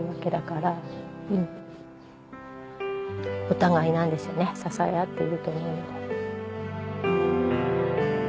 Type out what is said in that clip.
お互いなんですよね支え合っていると思うので。